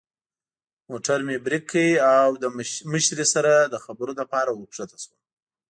موټر مې برېک کړ او له مشرې سره د خبرو لپاره ور کښته شوم.